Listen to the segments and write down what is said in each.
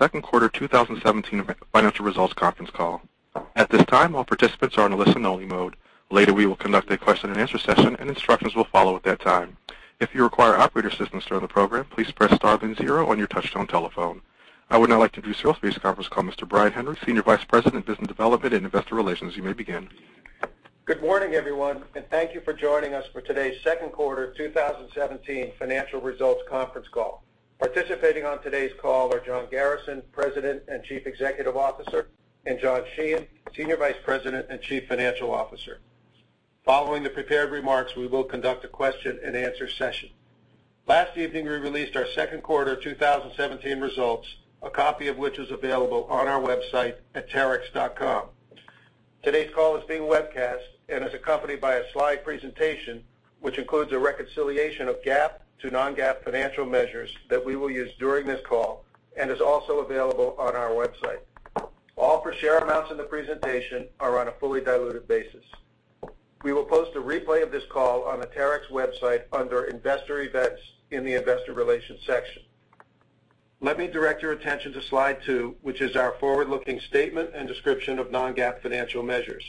Second quarter 2017 financial results conference call. At this time, all participants are in a listen only mode. Later, we will conduct a question and answer session, and instructions will follow at that time. If you require operator assistance during the program, please press star then zero on your touchtone telephone. I would now like to introduce today's conference call, Mr. Brian Henry, Senior Vice President, Business Development and Investor Relations. You may begin. Good morning, everyone. Thank you for joining us for today's second quarter 2017 financial results conference call. Participating on today's call are John Garrison, President and Chief Executive Officer, and John Sheehan, Senior Vice President and Chief Financial Officer. Following the prepared remarks, we will conduct a question and answer session. Last evening, we released our second quarter 2017 results, a copy of which is available on our website at terex.com. Today's call is being webcast and is accompanied by a slide presentation, which includes a reconciliation of GAAP to non-GAAP financial measures that we will use during this call and is also available on our website. All per share amounts in the presentation are on a fully diluted basis. We will post a replay of this call on the Terex website under investor events in the investor relations section. Let me direct your attention to slide 2, which is our forward-looking statement and description of non-GAAP financial measures.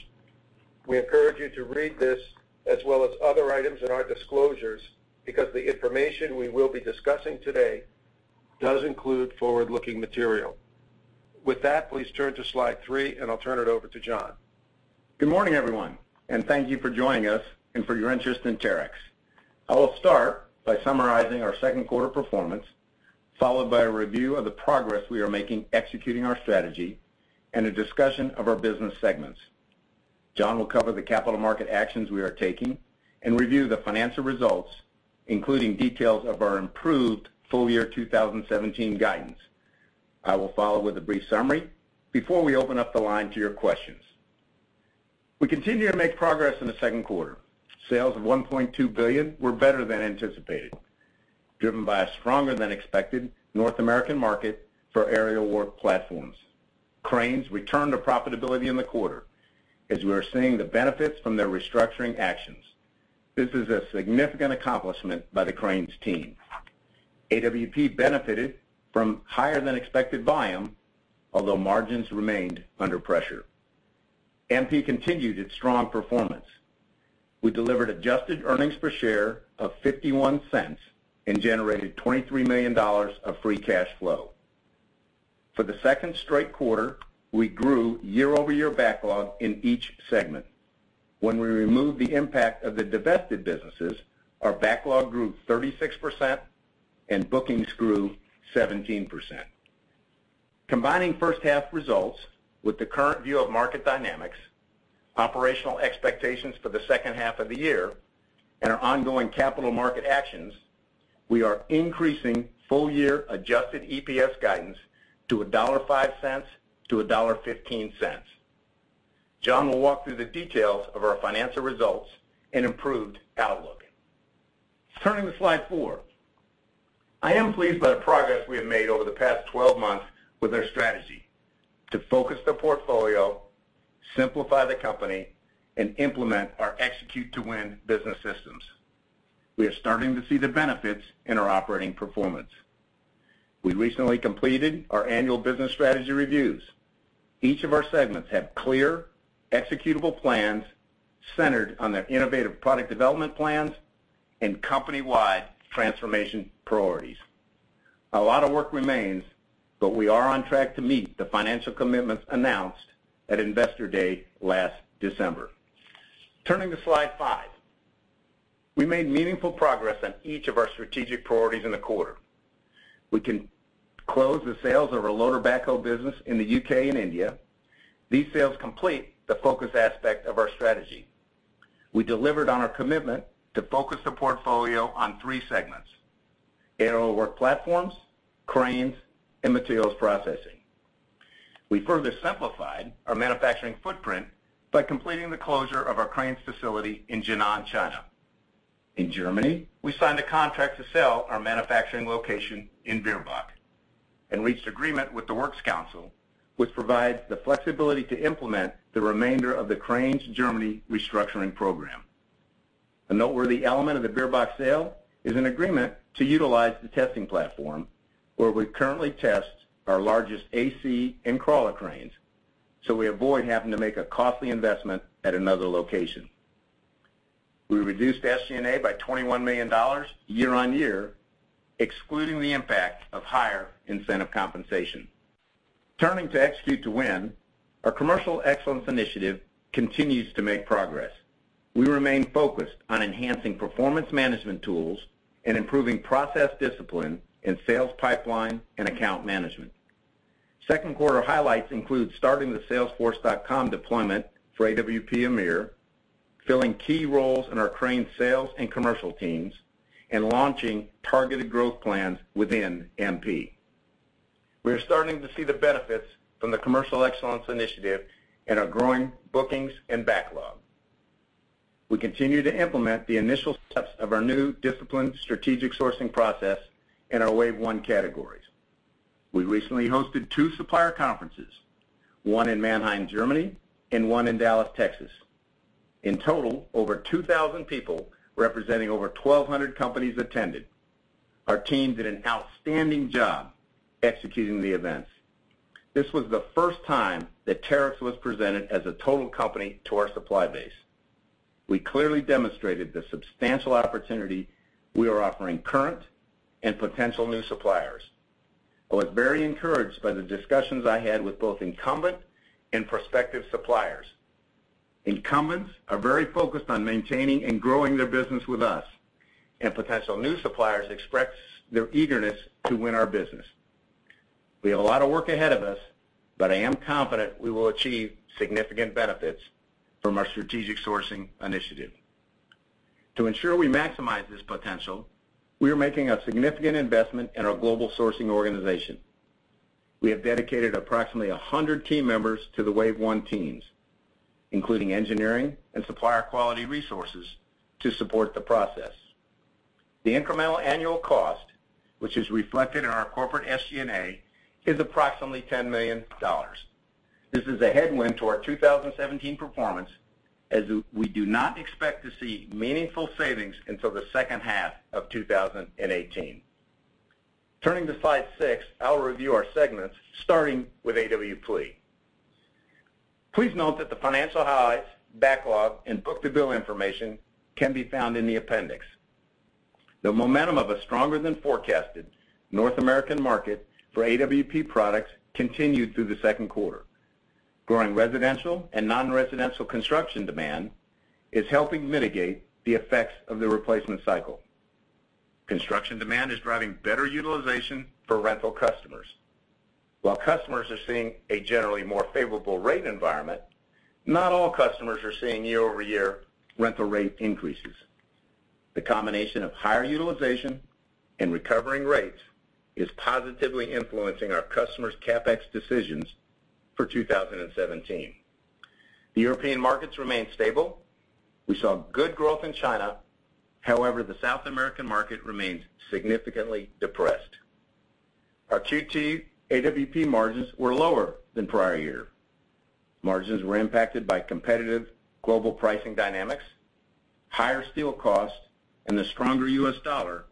We encourage you to read this as well as other items in our disclosures because the information we will be discussing today does include forward-looking material. With that, please turn to slide three. I'll turn it over to John. Good morning, everyone. Thank you for joining us and for your interest in Terex. I will start by summarizing our second quarter performance, followed by a review of the progress we are making executing our strategy and a discussion of our business segments. John will cover the capital market actions we are taking and review the financial results, including details of our improved full-year 2017 guidance. I will follow with a brief summary before we open up the line to your questions. We continue to make progress in the second quarter. Sales of $1.2 billion were better than anticipated, driven by a stronger than expected North American market for Aerial Work Platforms. Cranes returned to profitability in the quarter as we are seeing the benefits from their restructuring actions. This is a significant accomplishment by the Cranes team. AWP benefited from higher than expected volume, although margins remained under pressure. MP continued its strong performance. We delivered adjusted earnings per share of $0.51 and generated $23 million of free cash flow. For the second straight quarter, we grew year-over-year backlog in each segment. When we remove the impact of the divested businesses, our backlog grew 36% and bookings grew 17%. Combining first half results with the current view of market dynamics, operational expectations for the second half of the year, and our ongoing capital market actions, we are increasing full-year adjusted EPS guidance to $1.05-$1.15. John will walk through the details of our financial results and improved outlook. Turning to slide four. I am pleased by the progress we have made over the past 12 months with our strategy to focus the portfolio, simplify the company, and implement our Execute to Win business systems. We are starting to see the benefits in our operating performance. We recently completed our annual business strategy reviews. Each of our segments have clear, executable plans centered on their innovative product development plans and company-wide transformation priorities. A lot of work remains. We are on track to meet the financial commitments announced at Investor Day last December. Turning to slide five. We made meaningful progress on each of our strategic priorities in the quarter. We can close the sales of our loader backhoe business in the U.K. and India. These sales complete the focus aspect of our strategy. We delivered on our commitment to focus the portfolio on three segments, Aerial Work Platforms, cranes, and Materials Processing. We further simplified our manufacturing footprint by completing the closure of our cranes facility in Jinan, China. In Germany, we signed a contract to sell our manufacturing location in Bierbach and reached agreement with the Works Council, which provides the flexibility to implement the remainder of the Cranes Germany restructuring program. A noteworthy element of the Bierbach sale is an agreement to utilize the testing platform where we currently test our largest AC and crawler cranes, so we avoid having to make a costly investment at another location. We reduced SG&A by $21 million year-on-year, excluding the impact of higher incentive compensation. Turning to Execute to Win, our commercial excellence initiative continues to make progress. We remain focused on enhancing performance management tools and improving process discipline in sales pipeline and account management. Second quarter highlights include starting the salesforce.com deployment for AWP EMEA, filling key roles in our crane sales and commercial teams, and launching targeted growth plans within MP. We are starting to see the benefits from the commercial excellence initiative in our growing bookings and backlog. We continue to implement the initial steps of our new disciplined strategic sourcing process in our wave one categories. We recently hosted two supplier conferences, one in Mannheim, Germany and one in Dallas, Texas. In total, over 2,000 people representing over 1,200 companies attended. Our team did an outstanding job executing the events. This was the first time that Terex was presented as a total company to our supply base. We clearly demonstrated the substantial opportunity we are offering current and potential new suppliers. I was very encouraged by the discussions I had with both incumbent and prospective suppliers. Incumbents are very focused on maintaining and growing their business with us, and potential new suppliers expressed their eagerness to win our business. We have a lot of work ahead of us, but I am confident we will achieve significant benefits from our strategic sourcing initiative. To ensure we maximize this potential, we are making a significant investment in our global sourcing organization. We have dedicated approximately 100 team members to the wave one teams, including engineering and supplier quality resources to support the process. The incremental annual cost, which is reflected in our corporate SG&A, is approximately $10 million. This is a headwind to our 2017 performance, as we do not expect to see meaningful savings until the second half of 2018. Turning to slide six, I'll review our segments, starting with AWP. Please note that the financial highs, backlog, and book-to-bill information can be found in the appendix. The momentum of a stronger than forecasted North American market for AWP products continued through the second quarter. Growing residential and non-residential construction demand is helping mitigate the effects of the replacement cycle. Construction demand is driving better utilization for rental customers. While customers are seeing a generally more favorable rate environment, not all customers are seeing year-over-year rental rate increases. The combination of higher utilization and recovering rates is positively influencing our customers' CapEx decisions for 2017. The European markets remain stable. We saw good growth in China. However, the South American market remains significantly depressed. Our Q2 AWP margins were lower than prior year. Margins were impacted by competitive global pricing dynamics, higher steel costs, and the stronger U.S. dollar,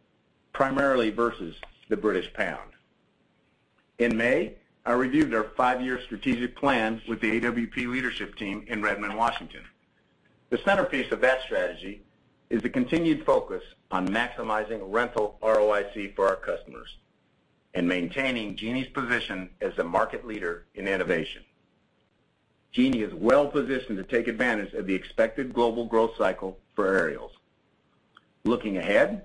primarily versus the British pound. In May, I reviewed our five-year strategic plan with the AWP leadership team in Redmond, Washington. The centerpiece of that strategy is the continued focus on maximizing rental ROIC for our customers and maintaining Genie's position as a market leader in innovation. Genie is well-positioned to take advantage of the expected global growth cycle for aerials. Looking ahead,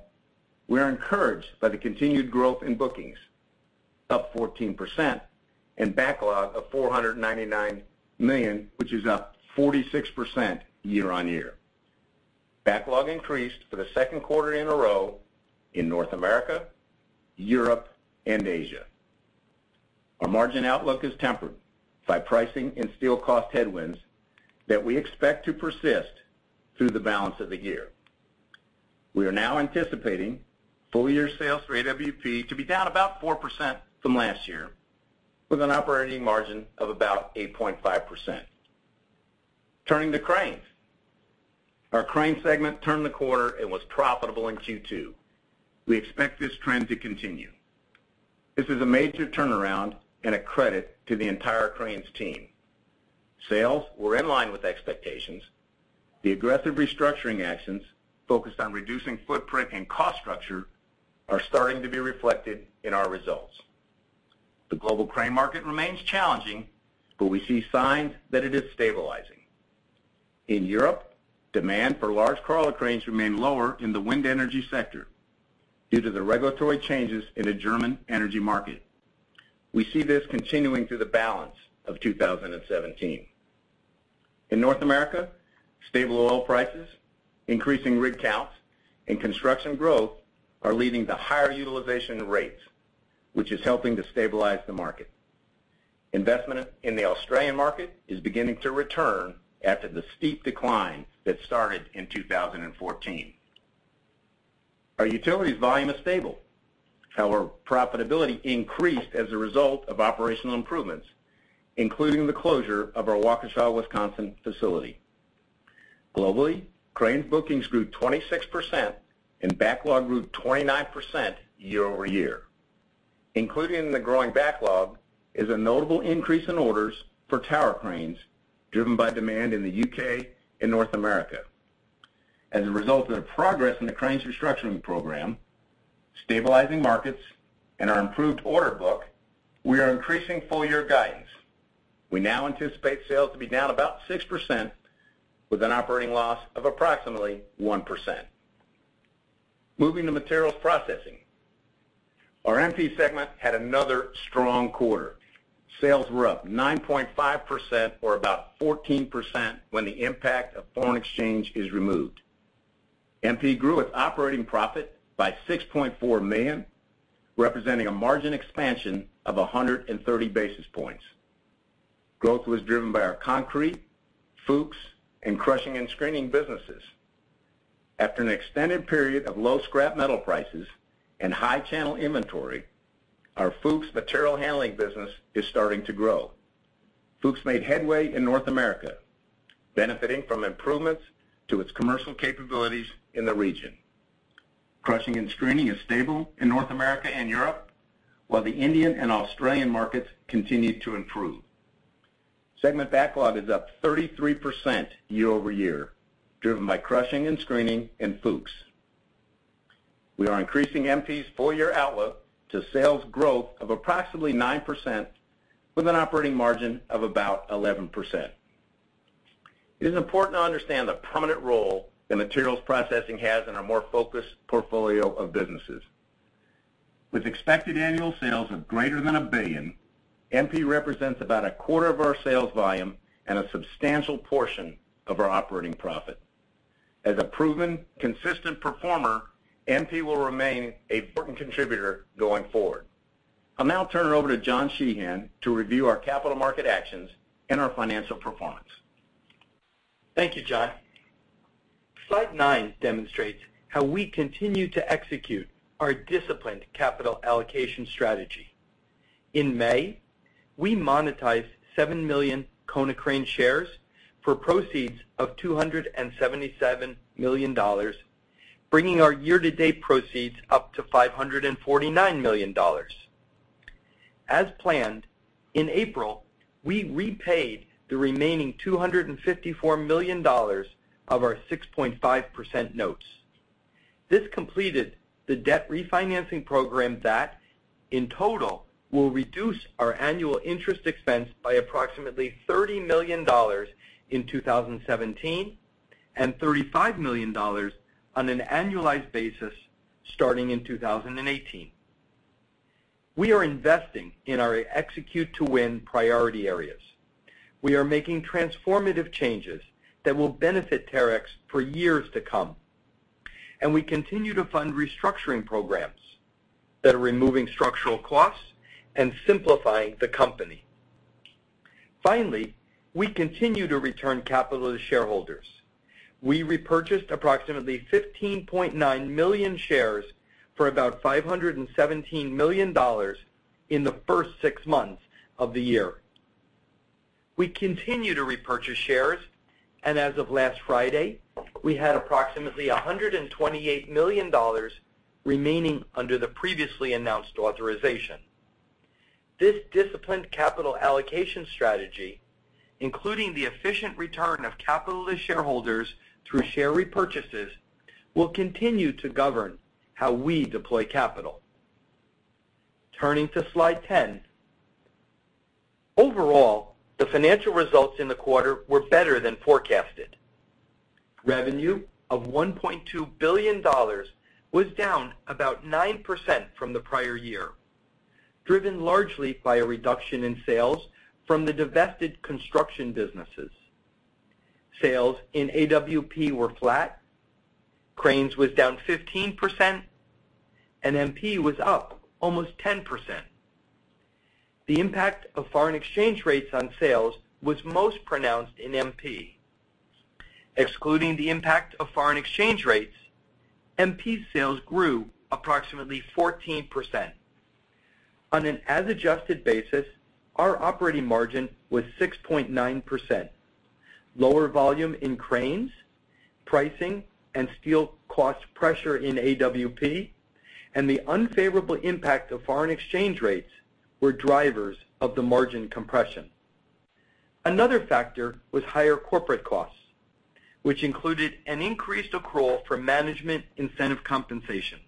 we are encouraged by the continued growth in bookings, up 14%, and backlog of $499 million, which is up 46% year-on-year. Backlog increased for the second quarter in a row in North America, Europe, and Asia. Our margin outlook is tempered by pricing and steel cost headwinds that we expect to persist through the balance of the year. We are now anticipating full-year sales for AWP to be down about 4% from last year, with an operating margin of about 8.5%. Turning to Cranes. Our Cranes segment turned the quarter and was profitable in Q2. We expect this trend to continue. This is a major turnaround and a credit to the entire Cranes team. Sales were in line with expectations. The aggressive restructuring actions focused on reducing footprint and cost structure are starting to be reflected in our results. The global crane market remains challenging, but we see signs that it is stabilizing. In Europe, demand for large crawler cranes remain lower in the wind energy sector due to the regulatory changes in the German energy market. We see this continuing through the balance of 2017. In North America, stable oil prices, increasing rig counts, and construction growth are leading to higher utilization rates, which is helping to stabilize the market. Investment in the Australian market is beginning to return after the steep decline that started in 2014. Our Utilities volume is stable. However, profitability increased as a result of operational improvements, including the closure of our Waukesha, Wisconsin facility. Globally, Cranes bookings grew 26% and backlog grew 29% year-over-year. Included in the growing backlog is a notable increase in orders for tower cranes, driven by demand in the U.K. and North America. As a result of the progress in the Cranes restructuring program, stabilizing markets, and our improved order book, we are increasing full-year guidance. We now anticipate sales to be down about 6% with an operating loss of approximately 1%. Moving to Materials Processing. Our MP segment had another strong quarter. Sales were up 9.5%, or about 14% when the impact of foreign exchange is removed. MP grew its operating profit by $6.4 million, representing a margin expansion of 130 basis points. Growth was driven by our Concrete, Fuchs, and Crushing and Screening businesses. After an extended period of low scrap metal prices and high channel inventory, our Fuchs material handling business is starting to grow. Fuchs made headway in North America, benefiting from improvements to its commercial capabilities in the region. Crushing and Screening is stable in North America and Europe, while the Indian and Australian markets continue to improve. Segment backlog is up 33% year-over-year, driven by Crushing and Screening in Fuchs. We are increasing MP's full year outlook to sales growth of approximately 9% with an operating margin of about 11%. It is important to understand the prominent role that Materials Processing has in our more focused portfolio of businesses. With expected annual sales of greater than $1 billion, MP represents about a quarter of our sales volume and a substantial portion of our operating profit. As a proven, consistent performer, MP will remain an important contributor going forward. I'll now turn it over to John Sheehan to review our capital market actions and our financial performance. Thank you, John. Slide nine demonstrates how we continue to execute our disciplined capital allocation strategy. In May, we monetized 7 million Konecranes shares for proceeds of $277 million, bringing our year-to-date proceeds up to $549 million. As planned, in April, we repaid the remaining $254 million of our 6.5% notes. This completed the debt refinancing program that in total will reduce our annual interest expense by approximately $30 million in 2017 and $35 million on an annualized basis starting in 2018. We are investing in our Execute to Win priority areas. We are making transformative changes that will benefit Terex for years to come. We continue to fund restructuring programs that are removing structural costs and simplifying the company. Finally, we continue to return capital to shareholders. We repurchased approximately 15.9 million shares for about $517 million in the first six months of the year. We continue to repurchase shares. As of last Friday, we had approximately $128 million remaining under the previously announced authorization. This disciplined capital allocation strategy, including the efficient return of capital to shareholders through share repurchases, will continue to govern how we deploy capital. Turning to slide 10. Overall, the financial results in the quarter were better than forecasted. Revenue of $1.2 billion was down about 9% from the prior year, driven largely by a reduction in sales from the divested construction businesses. Sales in AWP were flat, Cranes was down 15%, and MP was up almost 10%. The impact of foreign exchange rates on sales was most pronounced in MP. Excluding the impact of foreign exchange rates, MP sales grew approximately 14%. On an as adjusted basis, our operating margin was 6.9%. Lower volume in Cranes, pricing and steel cost pressure in AWP, and the unfavorable impact of foreign exchange rates were drivers of the margin compression. Another factor was higher corporate costs, which included an increased accrual for management incentive compensation.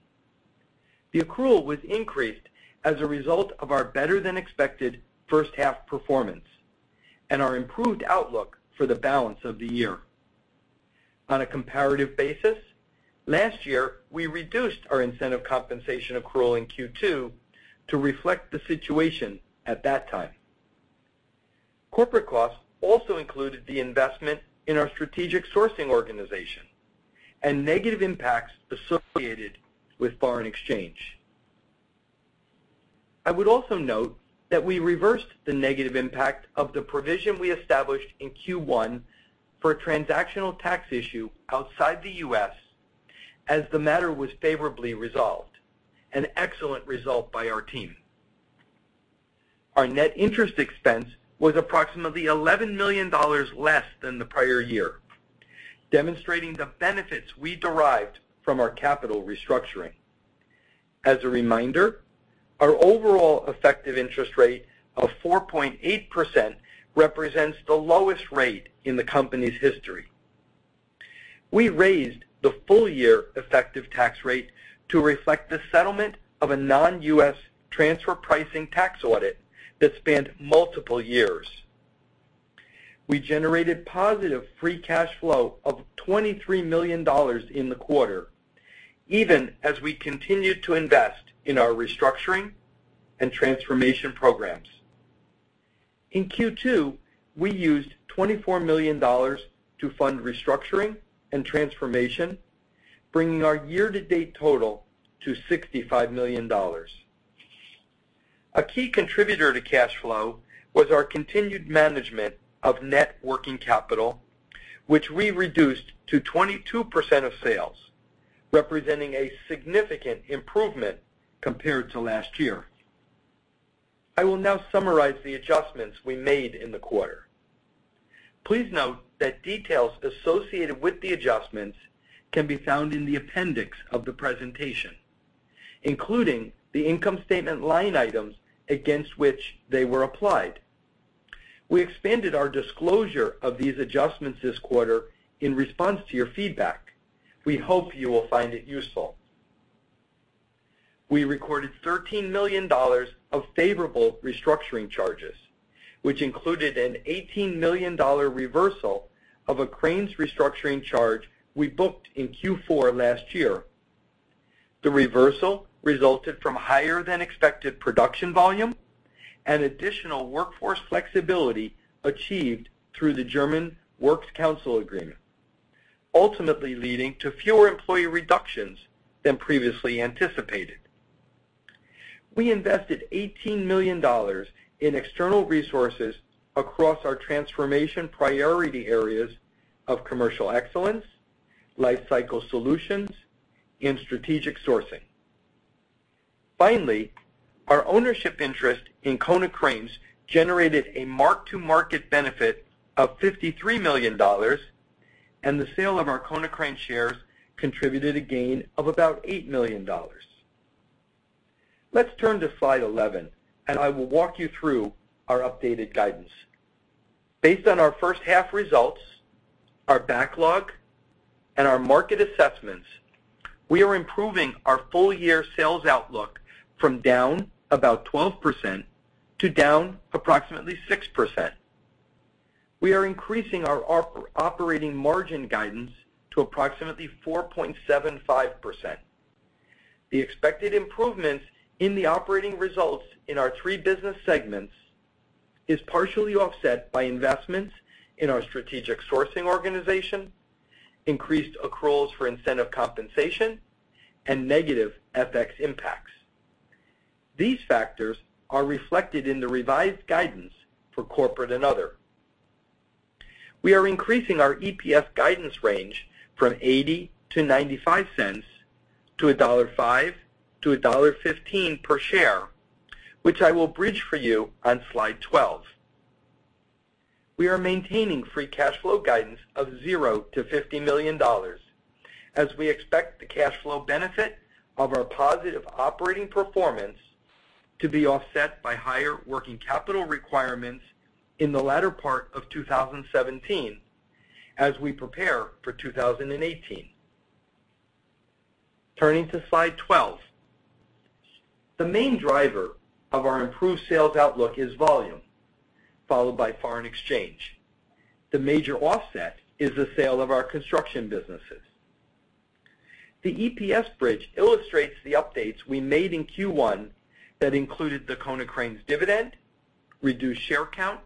The accrual was increased as a result of our better than expected first half performance and our improved outlook for the balance of the year. On a comparative basis, last year, we reduced our incentive compensation accrual in Q2 to reflect the situation at that time. Corporate costs also included the investment in our strategic sourcing organization and negative impacts associated with foreign exchange. I would also note that we reversed the negative impact of the provision we established in Q1 for a transactional tax issue outside the U.S. as the matter was favorably resolved, an excellent result by our team. Our net interest expense was approximately $11 million less than the prior year, demonstrating the benefits we derived from our capital restructuring. As a reminder, our overall effective interest rate of 4.8% represents the lowest rate in the company's history. We raised the full year effective tax rate to reflect the settlement of a non-U.S. transfer pricing tax audit that spanned multiple years. We generated positive free cash flow of $23 million in the quarter, even as we continued to invest in our restructuring and transformation programs. In Q2, we used $24 million to fund restructuring and transformation, bringing our year to date total to $65 million. A key contributor to cash flow was our continued management of net working capital, which we reduced to 22% of sales, representing a significant improvement compared to last year. I will now summarize the adjustments we made in the quarter. Please note that details associated with the adjustments can be found in the appendix of the presentation, including the income statement line items against which they were applied. We expanded our disclosure of these adjustments this quarter in response to your feedback. We hope you will find it useful. We recorded $13 million of favorable restructuring charges, which included an $18 million reversal of a Cranes restructuring charge we booked in Q4 last year. The reversal resulted from higher than expected production volume and additional workforce flexibility achieved through the German Works Council agreement, ultimately leading to fewer employee reductions than previously anticipated. We invested $18 million in external resources across our transformation priority areas of commercial excellence, life cycle solutions, and strategic sourcing. Finally, our ownership interest in Konecranes generated a mark-to-market benefit of $53 million, and the sale of our Konecranes shares contributed a gain of about $8 million. Let's turn to slide 11, and I will walk you through our updated guidance. Based on our first half results, our backlog, and our market assessments, we are improving our full year sales outlook from down about 12% to down approximately 6%. We are increasing our operating margin guidance to approximately 4.75%. The expected improvements in the operating results in our three business segments is partially offset by investments in our strategic sourcing organization, increased accruals for incentive compensation, and negative FX impacts. These factors are reflected in the revised guidance for corporate and other. We are increasing our EPS guidance range from $0.80 to $0.95 to $1.05 to $1.15 per share, which I will bridge for you on slide 12. We are maintaining free cash flow guidance of zero to $50 million, as we expect the cash flow benefit of our positive operating performance to be offset by higher working capital requirements in the latter part of 2017, as we prepare for 2018. Turning to slide 12. The main driver of our improved sales outlook is volume, followed by foreign exchange. The major offset is the sale of our construction businesses. The EPS bridge illustrates the updates we made in Q1 that included the Konecranes dividend, reduced share count,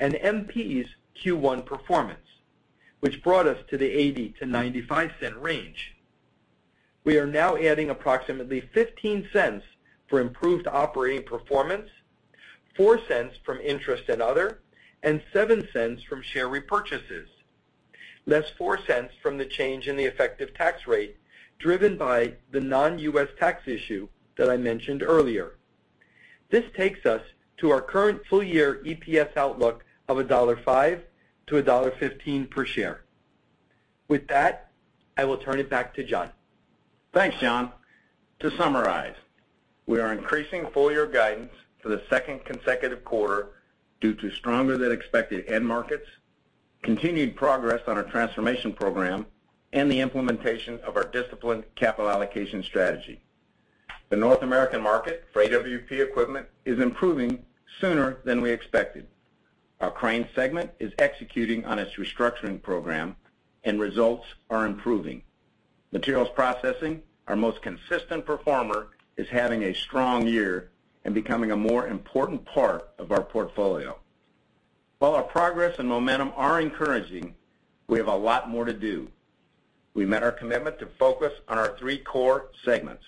and MP's Q1 performance, which brought us to the $0.80 to $0.95 range. We are now adding approximately $0.15 for improved operating performance, $0.04 from interest and other, and $0.07 from share repurchases. Less $0.04 from the change in the effective tax rate, driven by the non-U.S. tax issue that I mentioned earlier. This takes us to our current full year EPS outlook of $1.05 to $1.15 per share. With that, I will turn it back to John. Thanks, John. To summarize, we are increasing full year guidance for the second consecutive quarter due to stronger than expected end markets, continued progress on our transformation program, and the implementation of our disciplined capital allocation strategy. The North American market for AWP equipment is improving sooner than we expected. Our Cranes segment is executing on its restructuring program, and results are improving. Materials Processing, our most consistent performer, is having a strong year and becoming a more important part of our portfolio. While our progress and momentum are encouraging, we have a lot more to do. We met our commitment to focus on our three core segments.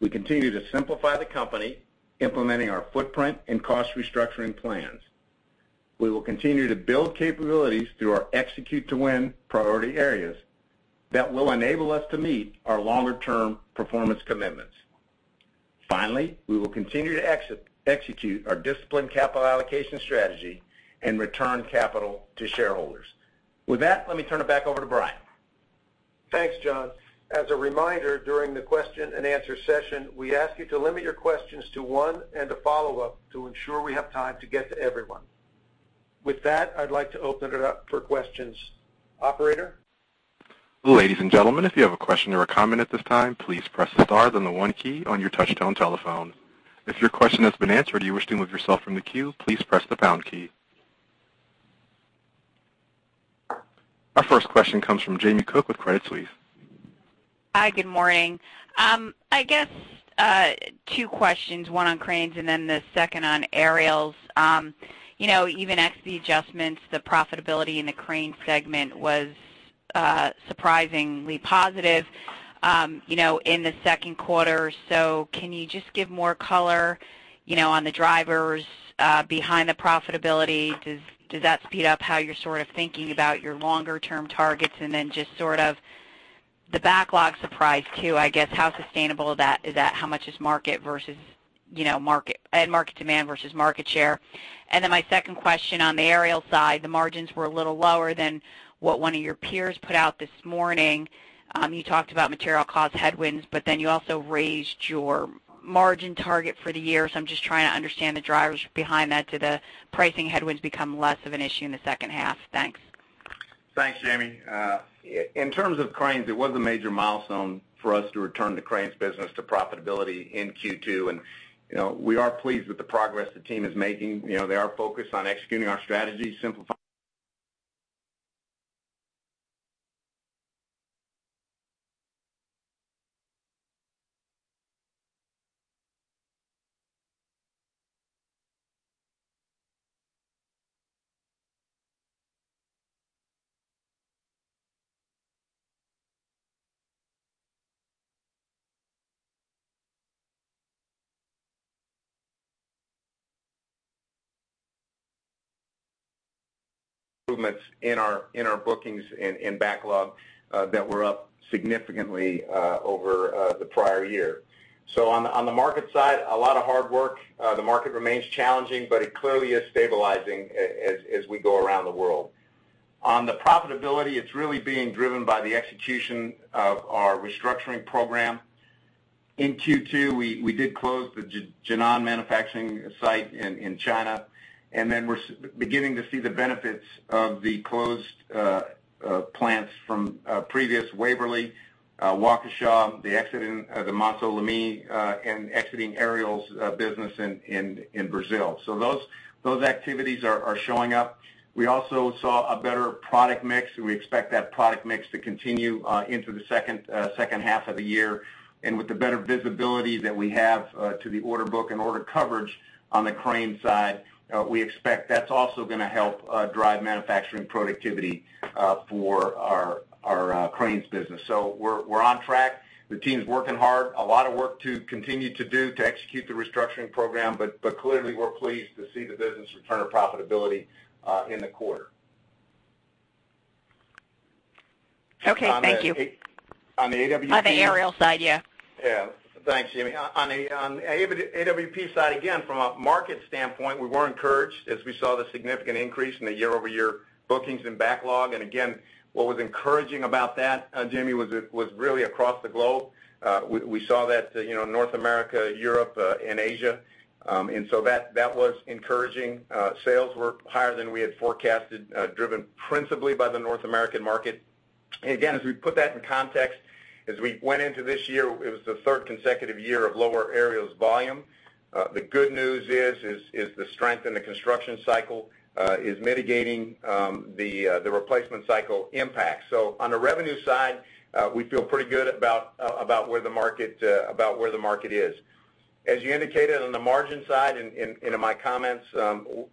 We continue to simplify the company, implementing our footprint and cost restructuring plans. We will continue to build capabilities through our Execute to Win priority areas that will enable us to meet our longer-term performance commitments. Finally, we will continue to execute our disciplined capital allocation strategy and return capital to shareholders. With that, let me turn it back over to Brian. Thanks, John. As a reminder, during the question and answer session, we ask you to limit your questions to one and a follow-up to ensure we have time to get to everyone. With that, I'd like to open it up for questions. Operator? Ladies and gentlemen, if you have a question or a comment at this time, please press star then the one key on your touchtone telephone. If your question has been answered and you wish to remove yourself from the queue, please press the pound key. Our first question comes from Jamie Cook with Credit Suisse. Hi, good morning. I guess, two questions, one on Cranes and then the second on Aerials. Even ex the adjustments, the profitability in the Cranes segment was surprisingly positive in the second quarter. Can you just give more color on the drivers behind the profitability? Does that speed up how you're thinking about your longer-term targets? Just the backlog surprise too, I guess, how sustainable is that? How much is end market demand versus market share? My second question on the aerial side, the margins were a little lower than what one of your peers put out this morning. You talked about material cost headwinds, you also raised your margin target for the year. I'm just trying to understand the drivers behind that. Do the pricing headwinds become less of an issue in the second half? Thanks. Thanks, Jamie. In terms of cranes, it was a major milestone for us to return the cranes business to profitability in Q2. We are pleased with the progress the team is making. They are focused on executing our strategy, simplifying improvements in our bookings and backlog that were up significantly over the prior year. On the market side, a lot of hard work. The market remains challenging, but it clearly is stabilizing as we go around the world. On the profitability, it's really being driven by the execution of our restructuring program. In Q2, we did close the Jinan manufacturing site in China. Then we're beginning to see the benefits of the closed plants from previous Waverly, Waukesha, the exiting of the Montceau-les-Mines, and exiting aerials business in Brazil. Those activities are showing up. We also saw a better product mix, and we expect that product mix to continue into the second half of the year. With the better visibility that we have to the order book and order coverage on the crane side, we expect that's also going to help drive manufacturing productivity for our cranes business. We're on track. The team's working hard. A lot of work to continue to do to execute the restructuring program. Clearly, we're pleased to see the business return to profitability in the quarter. Okay, thank you. On the AWP. Yeah. On the aerial side, yeah. Yeah. Thanks, Jamie. On AWP side, again, from a market standpoint, we were encouraged as we saw the significant increase in the year-over-year bookings and backlog. Again, what was encouraging about that, Jamie, was really across the globe. We saw that North America, Europe, and Asia. So that was encouraging. Sales were higher than we had forecasted, driven principally by the North American market. Again, as we put that in context, as we went into this year, it was the third consecutive year of lower aerials volume. The good news is the strength in the construction cycle is mitigating the replacement cycle impact. On the revenue side, we feel pretty good about where the market is. As you indicated on the margin side and in my comments,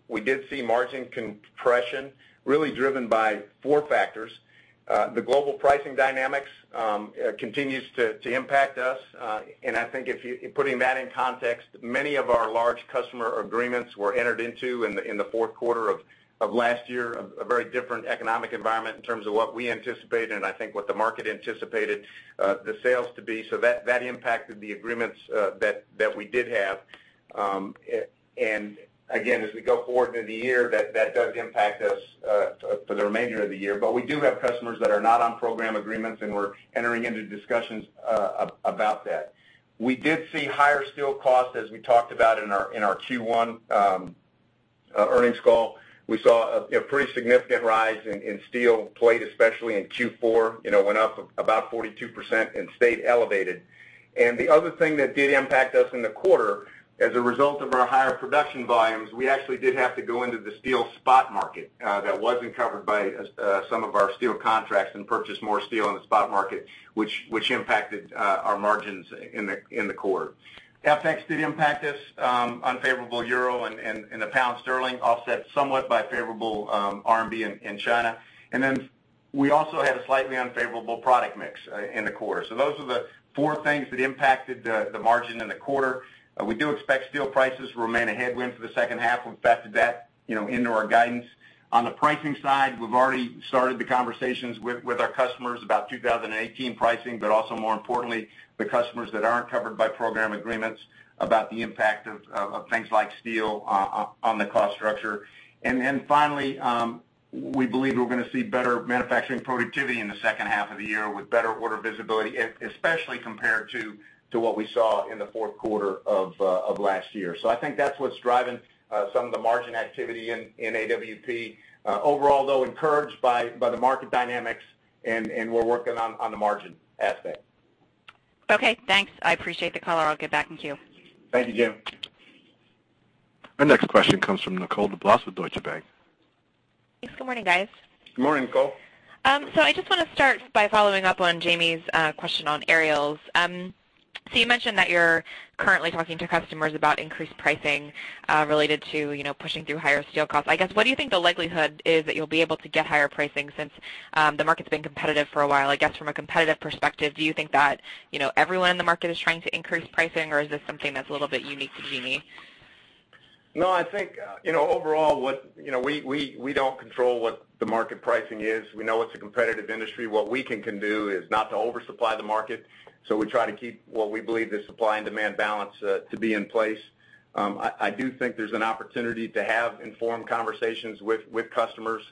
we did see margin compression really driven by four factors. The global pricing dynamics continues to impact us. I think putting that in context, many of our large customer agreements were entered into in the fourth quarter of last year, a very different economic environment in terms of what we anticipated and I think what the market anticipated the sales to be. That impacted the agreements that we did have. Again, as we go forward into the year, that does impact us for the remainder of the year. We do have customers that are not on program agreements, and we're entering into discussions about that. We did see higher steel costs, as we talked about in our Q1 earnings call. We saw a pretty significant rise in steel plate, especially in Q4, went up about 42% and stayed elevated. The other thing that did impact us in the quarter, as a result of our higher production volumes, we actually did have to go into the steel spot market that wasn't covered by some of our steel contracts and purchase more steel on the spot market, which impacted our margins in the quarter. FX did impact us. Unfavorable euro and the pound sterling offset somewhat by favorable RMB in China. Then we also had a slightly unfavorable product mix in the quarter. Those are the four things that impacted the margin in the quarter. We do expect steel prices to remain a headwind for the second half. We've factored that into our guidance. On the pricing side, we've already started the conversations with our customers about 2018 pricing. Also more importantly, the customers that aren't covered by program agreements about the impact of things like steel on the cost structure. Finally, we believe we're going to see better manufacturing productivity in the second half of the year with better order visibility, especially compared to what we saw in the fourth quarter of last year. I think that's what's driving some of the margin activity in AWP. Overall, though, encouraged by the market dynamics, we're working on the margin aspect. Okay, thanks. I appreciate the color. I'll get back in queue. Thank you, Jamie. Our next question comes from Nicole DeBlase with Deutsche Bank. Yes, good morning, guys. Good morning, Nicole. I just want to start by following up on Jamie's question on aerials. You mentioned that you're currently talking to customers about increased pricing related to pushing through higher steel costs. I guess, what do you think the likelihood is that you'll be able to get higher pricing since the market's been competitive for a while? I guess from a competitive perspective, do you think that everyone in the market is trying to increase pricing, or is this something that's a little bit unique to Genie? No, I think, overall, we don't control what the market pricing is. We know it's a competitive industry. What we can do is not to oversupply the market. We try to keep what we believe the supply and demand balance to be in place. I do think there's an opportunity to have informed conversations with customers.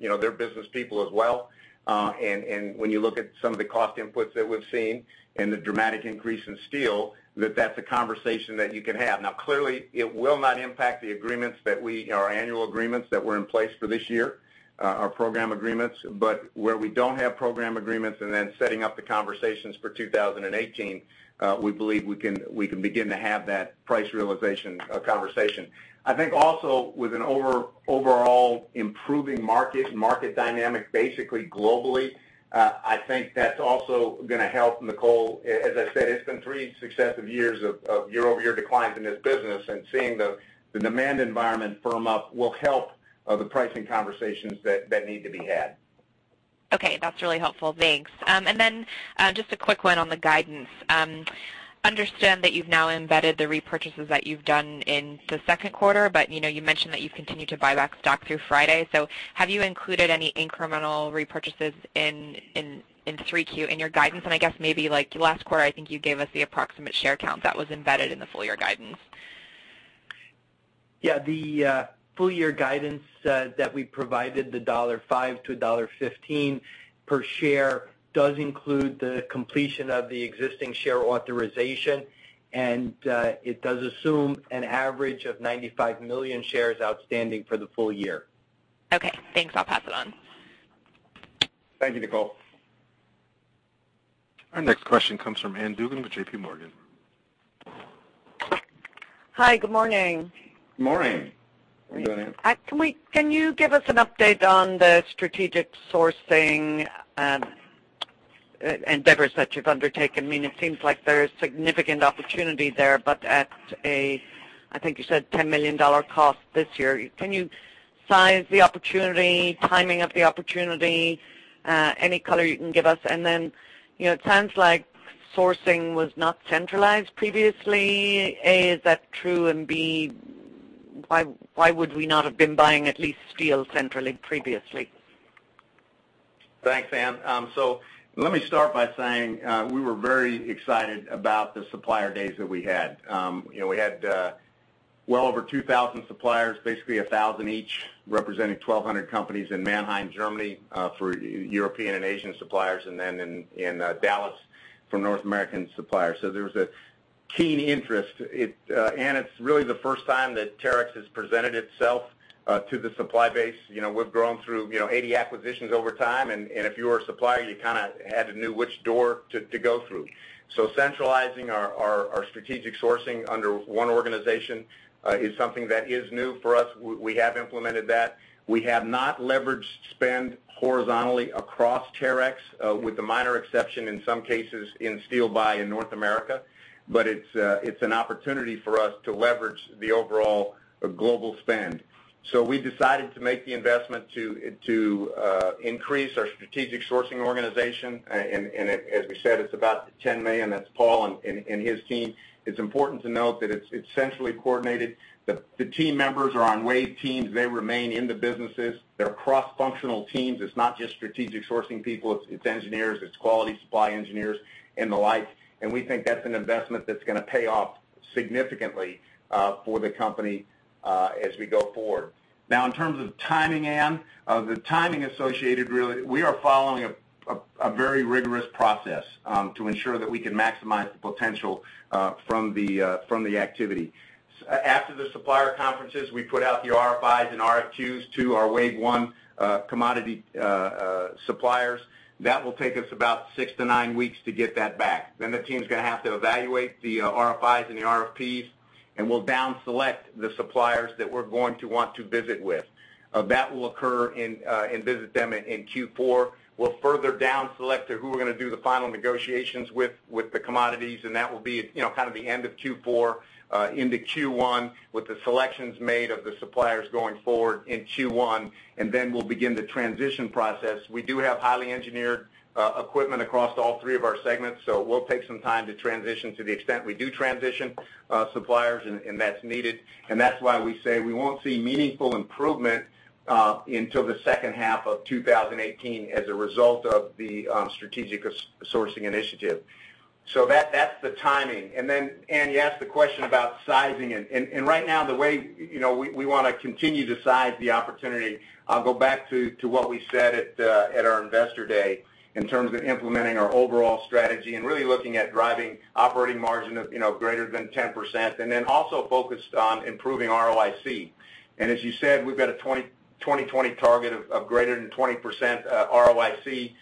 They're business people as well. When you look at some of the cost inputs that we've seen and the dramatic increase in steel, that that's a conversation that you can have. Now, clearly, it will not impact our annual agreements that were in place for this year, our program agreements. Where we don't have program agreements, then setting up the conversations for 2018, we believe we can begin to have that price realization conversation. I think also with an overall improving market dynamic, basically globally, I think that's also going to help, Nicole. As I said, it's been three successive years of year-over-year declines in this business, seeing the demand environment firm up will help the pricing conversations that need to be had. Okay. That's really helpful. Thanks. Then just a quick one on the guidance. Understand that you've now embedded the repurchases that you've done in the second quarter, you mentioned that you've continued to buy back stock through Friday. Have you included any incremental repurchases in 3Q in your guidance? I guess maybe like last quarter, I think you gave us the approximate share count that was embedded in the full-year guidance. Yeah, the full-year guidance that we provided, the $1.05 to $1.15 per share, does include the completion of the existing share authorization, it does assume an average of 95 million shares outstanding for the full year. Okay, thanks. I'll pass it on. Thank you, Nicole. Our next question comes from Ann Duignan with JPMorgan. Hi. Good morning. Good morning. Morning, Ann. Can you give us an update on the strategic sourcing endeavors that you've undertaken? I mean, it seems like there is significant opportunity there, but at a, I think you said $10 million cost this year. Can you size the opportunity, timing of the opportunity? Any color you can give us? Then, it sounds like sourcing was not centralized previously. A, is that true, and B, why would we not have been buying at least steel centrally previously? Thanks, Ann. Let me start by saying we were very excited about the supplier days that we had. We had well over 2,000 suppliers, basically 1,000 each, representing 1,200 companies in Mannheim, Germany for European and Asian suppliers, then in Dallas for North American suppliers. There was a keen interest. Ann, it's really the first time that Terex has presented itself to the supply base. We've grown through 80 acquisitions over time, if you were a supplier, you kind of had to know which door to go through. Centralizing our strategic sourcing under one organization is something that is new for us. We have implemented that. We have not leveraged spend horizontally across Terex with the minor exception in some cases in steel buy in North America. It's an opportunity for us to leverage the overall global spend. We decided to make the investment to increase our strategic sourcing organization. As we said, it's about $10 million. That's Paul and his team. It's important to note that it's centrally coordinated. The team members are on wave teams. They remain in the businesses. They're cross-functional teams. It's not just strategic sourcing people. It's engineers, it's quality supply engineers and the like. We think that's an investment that's going to pay off significantly for the company as we go forward. In terms of timing, Ann, the timing associated really, we are following a very rigorous process to ensure that we can maximize the potential from the activity. After the supplier conferences, we put out the RFIs and RFQs to our wave 1 commodity suppliers. That will take us about six to nine weeks to get that back. The team's going to have to evaluate the RFIs and the RFPs, we'll down select the suppliers that we're going to want to visit with. That will occur in-- visit them in Q4. We'll further down select who we're going to do the final negotiations with the commodities, that will be kind of the end of Q4 into Q1 with the selections made of the suppliers going forward in Q1, then we'll begin the transition process. We do have highly engineered equipment across all three of our segments, it will take some time to transition to the extent we do transition suppliers, that's needed. That's why we say we won't see meaningful improvement until the second half of 2018 as a result of the strategic sourcing initiative. That's the timing. Then Ann, you asked the question about sizing it. Right now, the way we want to continue to size the opportunity, I'll go back to what we said at our Investor Day in terms of implementing our overall strategy and really looking at driving operating margin of greater than 10%, also focused on improving ROIC. As you said, we've got a 2020 target of greater than 20% ROIC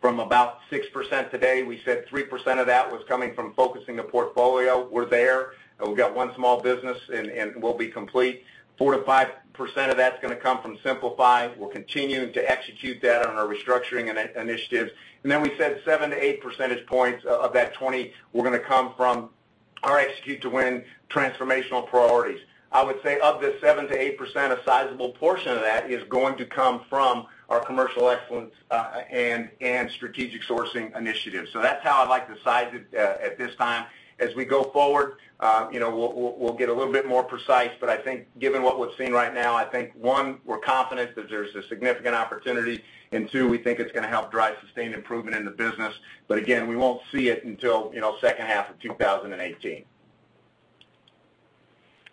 from about 6% today. We said 3% of that was coming from focusing the portfolio. We're there. We've got one small business, and we'll be complete. 4%-5% of that's going to come from Simplify. We're continuing to execute that on our restructuring initiatives. Then we said 7%-8 percentage points of that 20 were going to come from our Execute to Win transformational priorities. I would say of this 7%-8%, a sizable portion of that is going to come from our Commercial Excellence and Strategic Sourcing initiatives. That's how I'd like to size it at this time. As we go forward, we'll get a little bit more precise, but I think given what we're seeing right now, I think, one, we're confident that there's a significant opportunity, and two, we think it's going to help drive sustained improvement in the business. Again, we won't see it until second half of 2018.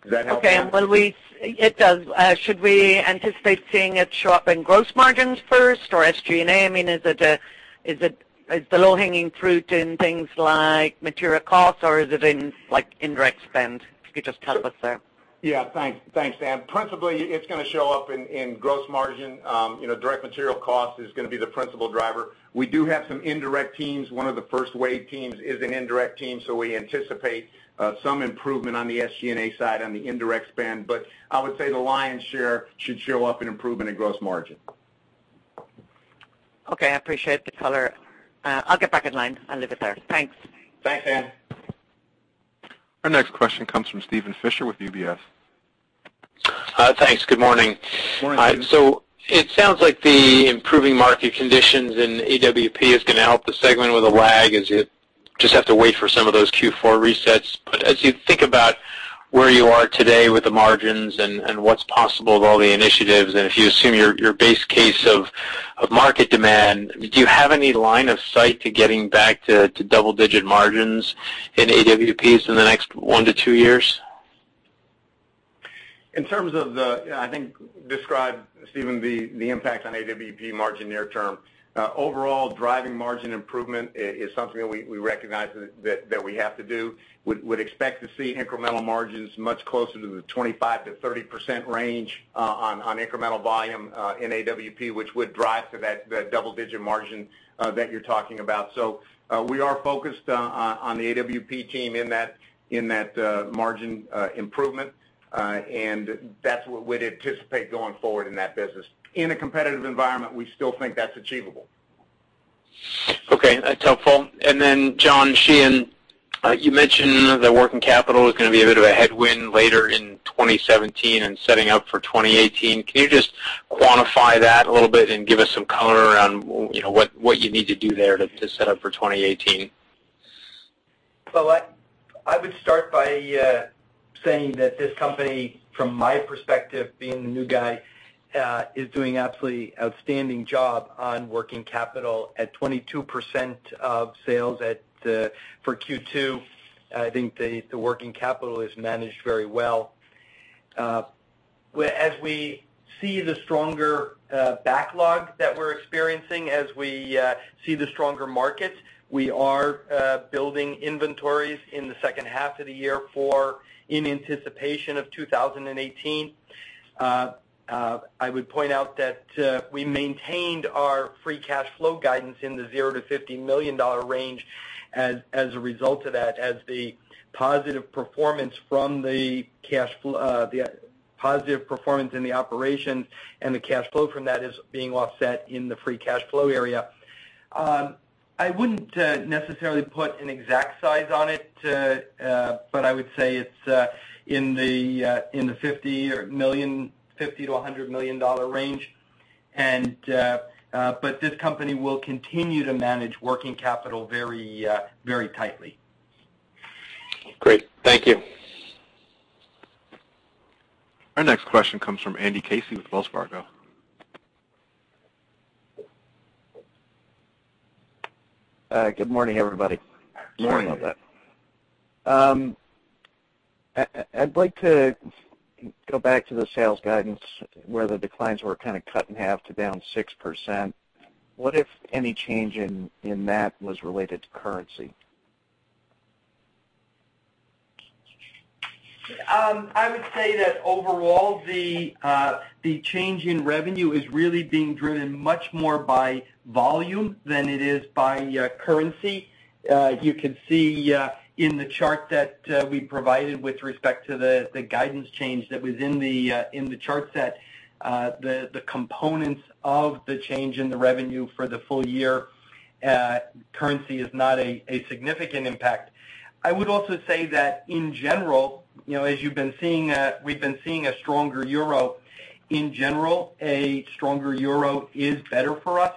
Does that help? Okay. It does. Should we anticipate seeing it show up in gross margins first or SG&A? Is the low-hanging fruit in things like material costs, or is it in indirect spend? If you could just help us there. Yeah. Thanks, Ann. Principally, it's going to show up in gross margin. Direct material cost is going to be the principal driver. We do have some indirect teams. One of the first wave teams is an indirect team, so we anticipate some improvement on the SG&A side on the indirect spend. I would say the lion's share should show up in improvement in gross margin. Okay. I appreciate the color. I'll get back in line. I'll leave it there. Thanks. Thanks, Ann. Our next question comes from Steven Fisher with UBS. Thanks. Good morning. Morning, Steven. It sounds like the improving market conditions in AWP is going to help the segment with a lag, as you just have to wait for some of those Q4 resets. As you think about where you are today with the margins and what's possible with all the initiatives, and if you assume your base case of market demand, do you have any line of sight to getting back to double-digit margins in AWPs in the next one to two years? I think describe, Steven, the impact on AWP margin near term. Overall, driving margin improvement is something that we recognize that we have to do. We'd expect to see incremental margins much closer to the 25%-30% range on incremental volume in AWP, which would drive to that double-digit margin that you're talking about. We are focused on the AWP team in that margin improvement, and that's what we'd anticipate going forward in that business. In a competitive environment, we still think that's achievable. Okay. That's helpful. John Sheehan, you mentioned that working capital is going to be a bit of a headwind later in 2017 and setting up for 2018. Can you just quantify that a little bit and give us some color around what you need to do there to set up for 2018? I would start by saying that this company, from my perspective, being the new guy, is doing absolutely outstanding job on working capital at 22% of sales for Q2. I think the working capital is managed very well. As we see the stronger backlog that we're experiencing, as we see the stronger markets, we are building inventories in the second half of the year in anticipation of 2018. I would point out that we maintained our free cash flow guidance in the $0 million-$50 million range as a result of that, as the positive performance in the operations and the cash flow from that is being offset in the free cash flow area. I wouldn't necessarily put an exact size on it, but I would say it's in the $50 million-$100 million range. This company will continue to manage working capital very tightly. Great. Thank you. Our next question comes from Andrew Casey with Wells Fargo. Good morning, everybody. Morning. I'd like to go back to the sales guidance, where the declines were kind of cut in half to down 6%. What if any change in that was related to currency? I would say that overall, the change in revenue is really being driven much more by volume than it is by currency. You can see in the chart that we provided with respect to the guidance change that was in the chart set, the components of the change in the revenue for the full year, currency is not a significant impact. I would also say that in general, as we've been seeing a stronger euro, in general, a stronger euro is better for us,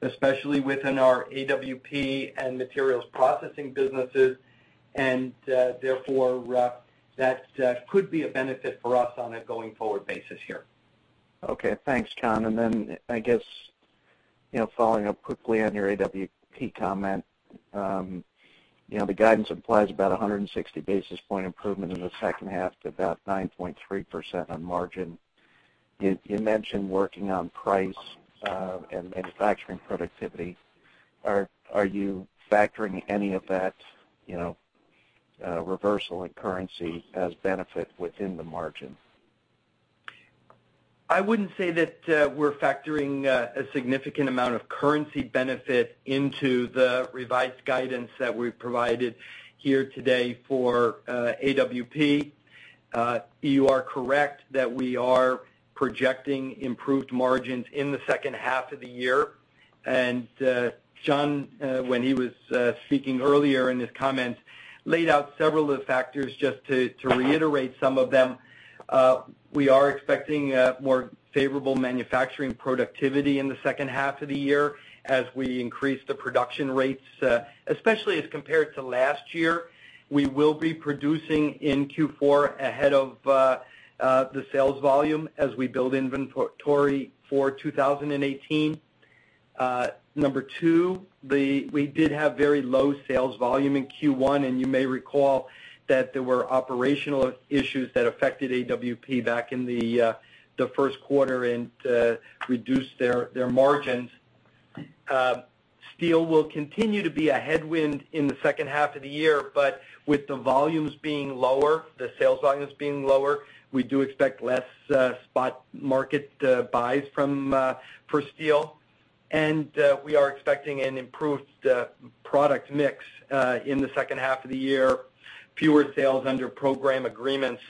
especially within our AWP and Materials Processing businesses, and therefore, that could be a benefit for us on a going-forward basis here. Okay. Thanks, John. I guess following up quickly on your AWP comment, the guidance implies about 160 basis point improvement in the second half to about 9.3% on margin. You mentioned working on price and manufacturing productivity. Are you factoring any of that reversal in currency as benefit within the margin? I wouldn't say that we're factoring a significant amount of currency benefit into the revised guidance that we've provided here today for AWP. You are correct that we are projecting improved margins in the second half of the year. John, when he was speaking earlier in his comments, laid out several of the factors. Just to reiterate some of them, we are expecting a more favorable manufacturing productivity in the second half of the year as we increase the production rates, especially as compared to last year. We will be producing in Q4 ahead of the sales volume as we build inventory for 2018. Number two, we did have very low sales volume in Q1, and you may recall that there were operational issues that affected AWP back in the first quarter and reduced their margins. Steel will continue to be a headwind in the second half of the year, but with the sales volumes being lower, we do expect less spot market buys for steel. We are expecting an improved product mix in the second half of the year, fewer sales under program agreements.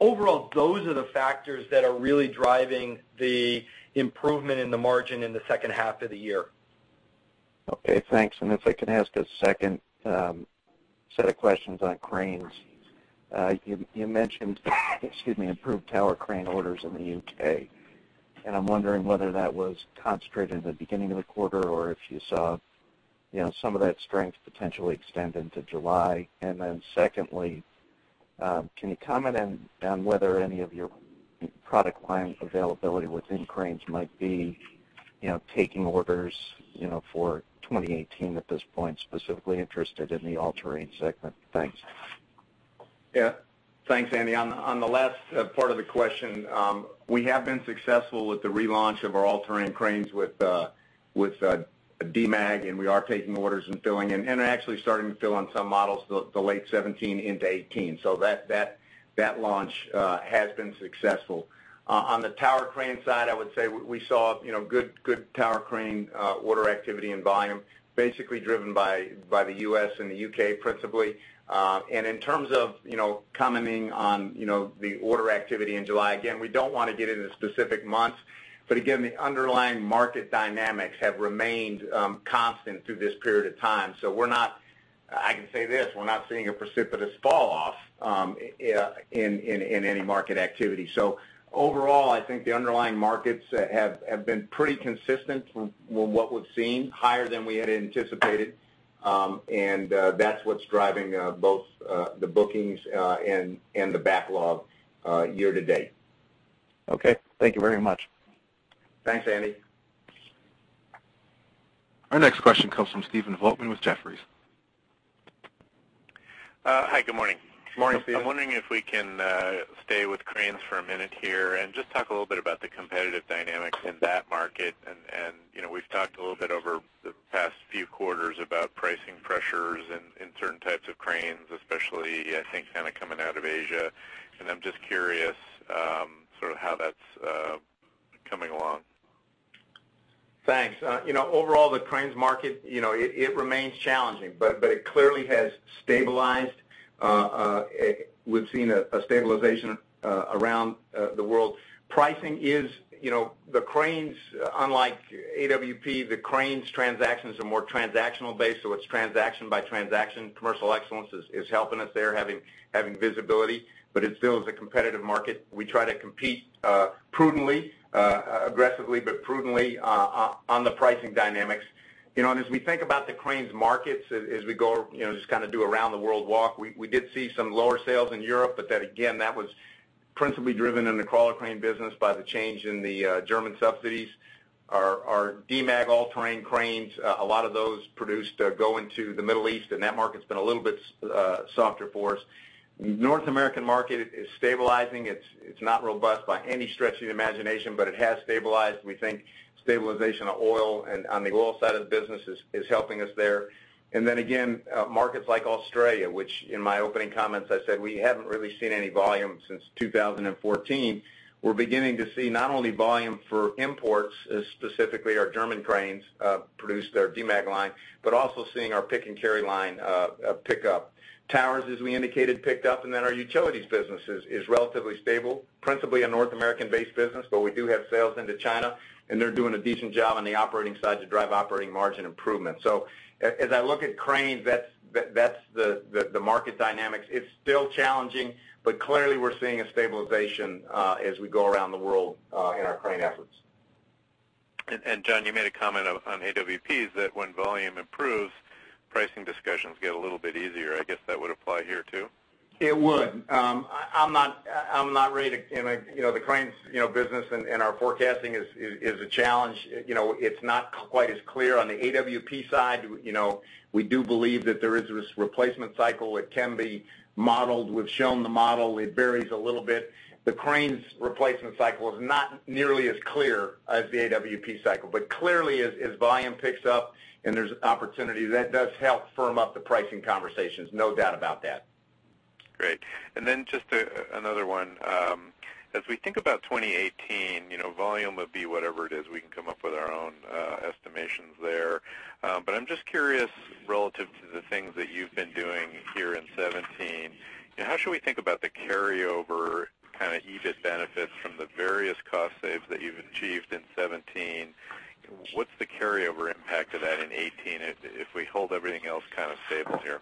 Overall, those are the factors that are really driving the improvement in the margin in the second half of the year. Okay, thanks. If I can ask a second set of questions on cranes. You mentioned, excuse me, improved tower crane orders in the U.K., and I'm wondering whether that was concentrated at the beginning of the quarter or if you saw some of that strength potentially extend into July. Then secondly, can you comment on whether any of your product line availability within cranes might be taking orders for 2018 at this point, specifically interested in the All-Terrain segment? Thanks. Yeah. Thanks, Andy. On the last part of the question, we have been successful with the relaunch of our All-Terrain cranes with Demag, and we are taking orders and filling in and are actually starting to fill on some models the late 2017 into 2018. That launch has been successful. On the tower crane side, I would say we saw good tower crane order activity and volume, basically driven by the U.S. and the U.K., principally. In terms of commenting on the order activity in July, again, we don't want to get into specific months, but again, the underlying market dynamics have remained constant through this period of time. I can say this, we're not seeing a precipitous fall-off in any market activity. Overall, I think the underlying markets have been pretty consistent from what we've seen, higher than we had anticipated. That's what's driving both the bookings and the backlog year to date. Okay. Thank you very much. Thanks, Andy. Our next question comes from Stephen Volkmann with Jefferies. Hi, good morning. Good morning, Stephen. I'm wondering if we can stay with cranes for a minute here and just talk a little bit about the competitive dynamics in that market. We've talked a little bit over the past few quarters about pricing pressures in certain types of cranes, especially, I think, coming out of Asia. I'm just curious how that's coming along. Thanks. Overall, the cranes market, it remains challenging. It clearly has stabilized. We've seen a stabilization around the world. Pricing is the cranes, unlike AWP, the cranes transactions are more transactional based, so it's transaction by transaction. Commercial excellence is helping us there, having visibility. It still is a competitive market. We try to compete aggressively, but prudently on the pricing dynamics. As we think about the cranes markets, as we go, just do a around the world walk, we did see some lower sales in Europe. Again, that was principally driven in the crawler crane business by the change in the German subsidies. Our Demag all-terrain cranes, a lot of those produced go into the Middle East, and that market's been a little bit softer for us. North American market is stabilizing. It's not robust by any stretch of the imagination, but it has stabilized. We think stabilization on the oil side of the business is helping us there. Again, markets like Australia, which in my opening comments, I said we haven't really seen any volume since 2014. We're beginning to see not only volume for imports, specifically our German cranes produced, our Demag line, but also seeing our Pick & Carry line pick up. Towers, as we indicated, picked up, and our utilities business is relatively stable, principally a North American based business, but we do have sales into China, and they're doing a decent job on the operating side to drive operating margin improvement. As I look at cranes, that's the market dynamics. It's still challenging, but clearly we're seeing a stabilization as we go around the world in our crane efforts. John, you made a comment on AWPs that when volume improves, pricing discussions get a little bit easier. I guess that would apply here, too? It would. The cranes business and our forecasting is a challenge. It's not quite as clear on the AWP side. We do believe that there is this replacement cycle. It can be modeled. We've shown the model. It varies a little bit. The cranes replacement cycle is not nearly as clear as the AWP cycle, but clearly as volume picks up and there's opportunity, that does help firm up the pricing conversations. No doubt about that. Great. Just another one. As we think about 2018, volume would be whatever it is, we can come up with our own estimations there. But I'm just curious, relative to the things that you've been doing here in 2017, how should we think about the carryover Kind of EBIT benefits from the various cost saves that you've achieved in 2017. What's the carryover impact of that in 2018 if we hold everything else kind of stable here?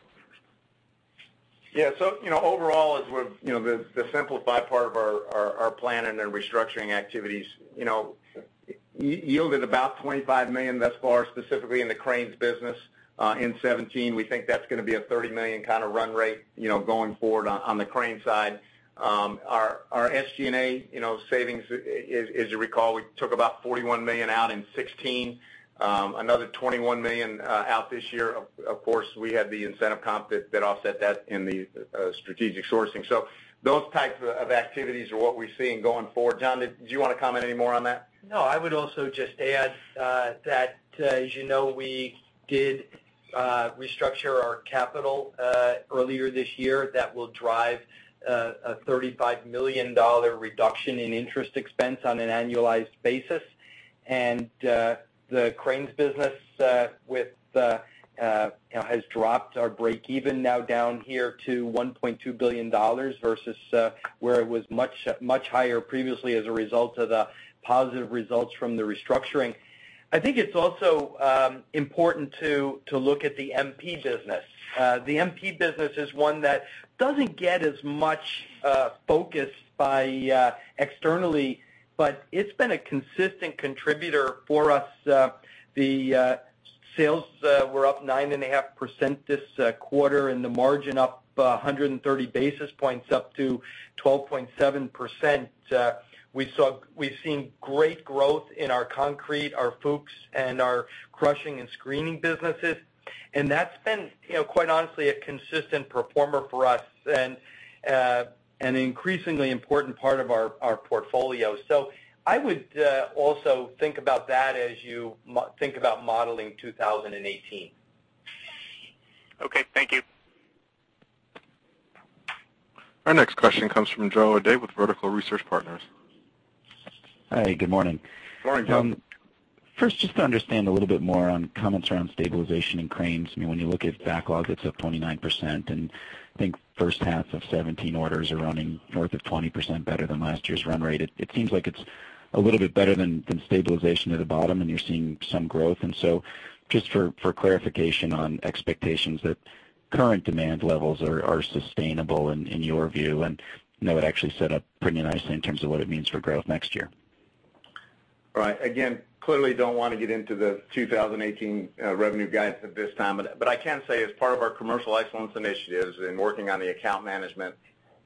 Yeah. Overall, the simplify part of our plan and the restructuring activities yielded about $25 million thus far, specifically in the Cranes business, in 2017. We think that's going to be a $30 million kind of run rate going forward on the Cranes side. Our SG&A savings, as you recall, we took about $41 million out in 2016. Another $21 million out this year. Of course, we had the incentive comp that offset that in the strategic sourcing. Those types of activities are what we're seeing going forward. John, did you want to comment any more on that? No, I would also just add that, as you know, we did restructure our capital earlier this year. That will drive a $35 million reduction in interest expense on an annualized basis. The Cranes business has dropped our break-even now down here to $1.2 billion versus where it was much higher previously as a result of the positive results from the restructuring. I think it's also important to look at the MP business. The MP business is one that doesn't get as much focus externally, but it's been a consistent contributor for us. The sales were up 9.5% this quarter and the margin up 130 basis points up to 12.7%. We've seen great growth in our Concrete, our Fuchs, and our Crushing and Screening businesses. That's been, quite honestly, a consistent performer for us and an increasingly important part of our portfolio. I would also think about that as you think about modeling 2018. Okay, thank you. Our next question comes from Joe O'Dea with Vertical Research Partners. Hi, good morning. Morning, Joe. First, just to understand a little bit more on comments around stabilization in Cranes. When you look at backlog, it's up 29% and think first half of 2017 orders are running north of 20% better than last year's run rate. It seems like it's a little bit better than stabilization at the bottom, and you're seeing some growth. So just for clarification on expectations that current demand levels are sustainable in your view, and that would actually set up pretty nicely in terms of what it means for growth next year. Right. Clearly don't want to get into the 2018 revenue guidance at this time, but I can say as part of our commercial excellence initiatives in working on the account management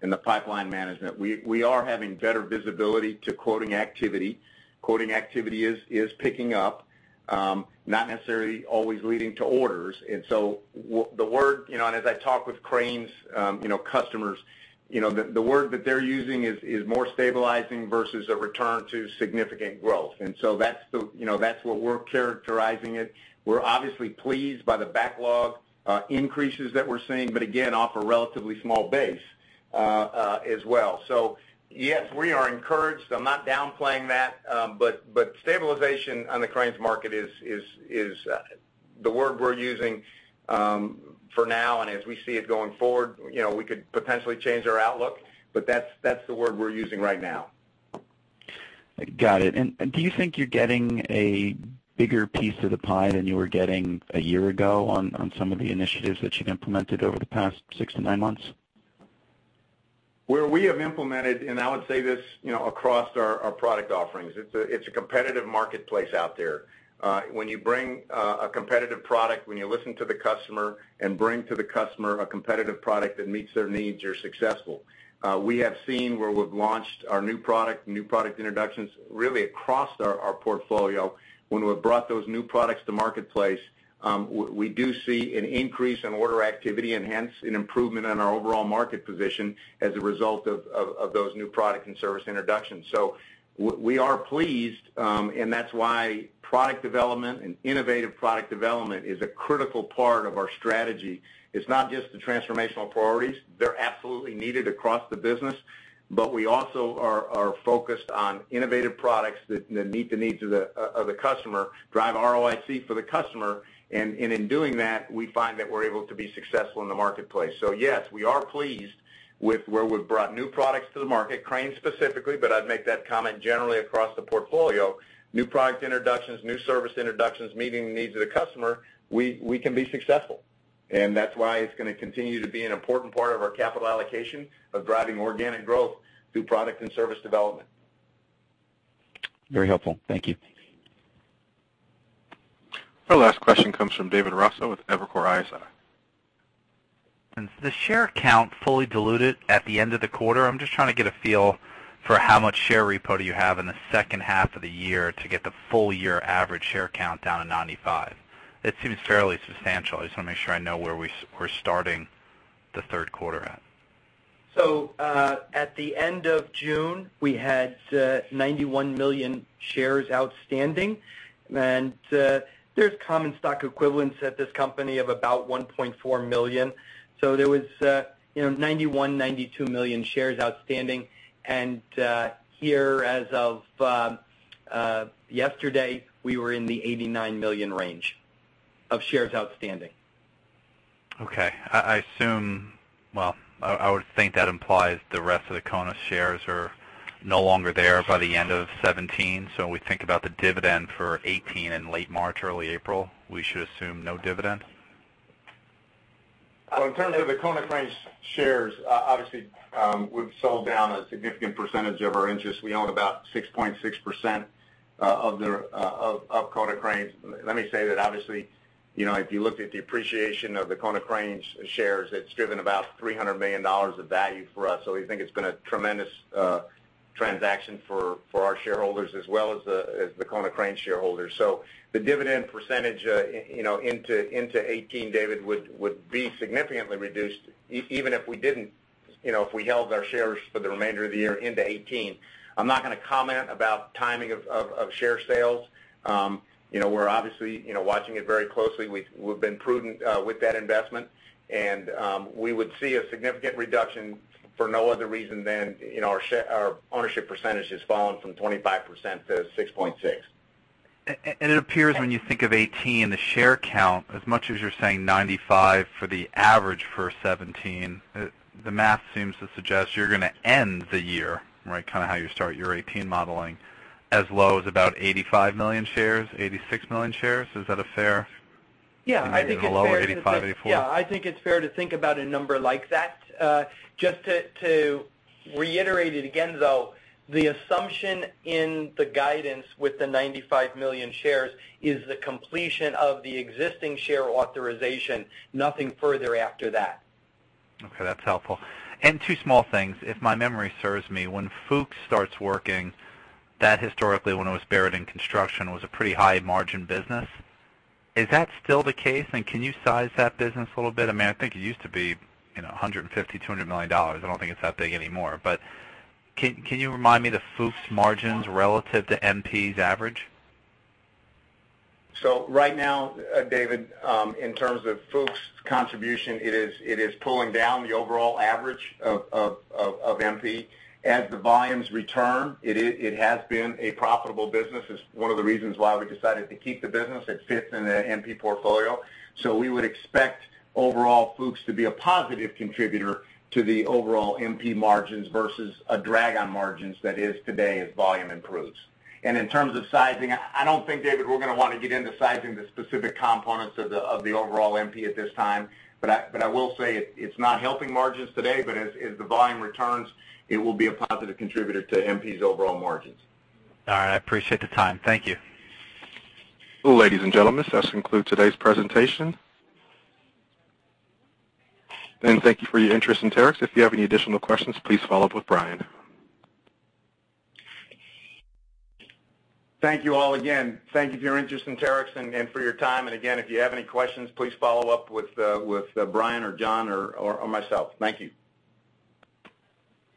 and the pipeline management, we are having better visibility to quoting activity. Quoting activity is picking up, not necessarily always leading to orders. As I talk with Cranes customers, the word that they're using is more stabilizing versus a return to significant growth. That's what we're characterizing it. We're obviously pleased by the backlog increases that we're seeing, but again, off a relatively small base as well. Yes, we are encouraged. I'm not downplaying that. Stabilization on the Cranes market is the word we're using for now. As we see it going forward, we could potentially change our outlook, but that's the word we're using right now. Got it. Do you think you're getting a bigger piece of the pie than you were getting a year ago on some of the initiatives that you've implemented over the past six to nine months? Where we have implemented, and I would say this across our product offerings, it's a competitive marketplace out there. When you bring a competitive product, when you listen to the customer and bring to the customer a competitive product that meets their needs, you're successful. We have seen where we've launched our new product introductions really across our portfolio. When we've brought those new products to marketplace, we do see an increase in order activity and hence an improvement in our overall market position as a result of those new product and service introductions. We are pleased, and that's why product development and innovative product development is a critical part of our strategy. It's not just the transformational priorities. They're absolutely needed across the business, but we also are focused on innovative products that meet the needs of the customer, drive ROIC for the customer, and in doing that, we find that we're able to be successful in the marketplace. Yes, we are pleased with where we've brought new products to the market, Cranes specifically, but I'd make that comment generally across the portfolio. New product introductions, new service introductions, meeting the needs of the customer, we can be successful. That's why it's going to continue to be an important part of our capital allocation of driving organic growth through product and service development. Very helpful. Thank you. Our last question comes from David Raso with Evercore ISI. The share count fully diluted at the end of the quarter, I'm just trying to get a feel for how much share repo do you have in the second half of the year to get the full year average share count down to 95? It seems fairly substantial. I just want to make sure I know where we're starting the third quarter at. At the end of June, we had 91 million shares outstanding, there's common stock equivalents at this company of about 1.4 million. There was 91, 92 million shares outstanding, and here as of yesterday, we were in the 89 million range of shares outstanding. Okay. I would think that implies the rest of the Konecranes shares are no longer there by the end of 2017. When we think about the dividend for 2018 in late March, early April, we should assume no dividend? Well, in terms of the Konecranes shares, obviously, we've sold down a significant percentage of our interest. We own about 6.6% of Konecranes. Let me say that obviously, if you looked at the appreciation of the Konecranes shares, it's driven about $300 million of value for us, we think it's been a tremendous transaction for our shareholders as well as the Konecranes shareholders. The dividend percentage into 2018, David, would be significantly reduced even if we held our shares for the remainder of the year into 2018. I'm not going to comment about timing of share sales. We're obviously watching it very closely. We've been prudent with that investment, and we would see a significant reduction for no other reason than our ownership percentage has fallen from 25% to 6.6. It appears when you think of 2018, the share count, as much as you're saying 95 for the average for 2017, the math seems to suggest you're going to end the year, kind of how you start your 2018 modeling, as low as about 85 million shares, 86 million shares. Is that fair? Yeah, I think it's fair. Below 85, 84? Yeah, I think it's fair to think about a number like that. Just to reiterate it again, though, the assumption in the guidance with the 95 million shares is the completion of the existing share authorization. Nothing further after that. Okay, that's helpful. Two small things. If my memory serves me, when Fuchs starts working, that historically, when it was Barratt in construction, was a pretty high margin business. Is that still the case? Can you size that business a little bit? I think it used to be $150 million, $200 million. I don't think it's that big anymore, but can you remind me the Fuchs margins relative to MP's average? Right now, David, in terms of Fuchs' contribution, it is pulling down the overall average of MP. As the volumes return, it has been a profitable business. It's one of the reasons why we decided to keep the business. It fits in the MP portfolio. We would expect overall Fuchs to be a positive contributor to the overall MP margins versus a drag on margins that is today as volume improves. In terms of sizing, I don't think, David, we're going to want to get into sizing the specific components of the overall MP at this time. I will say it's not helping margins today, but as the volume returns, it will be a positive contributor to MP's overall margins. All right. I appreciate the time. Thank you. Ladies and gentlemen, this concludes today's presentation. Thank you for your interest in Terex. If you have any additional questions, please follow up with Brian. Thank you all again. Thank you for your interest in Terex and for your time. Again, if you have any questions, please follow up with Brian or John or myself. Thank you.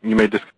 You may dis-